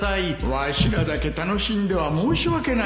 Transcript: わしらだけ楽しんでは申し訳ないな